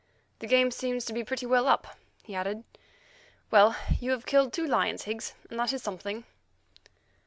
"The game seems to be pretty well up," he added. "Well, you have killed two lions, Higgs, and that is something."